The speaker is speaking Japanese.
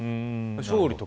勝利とか。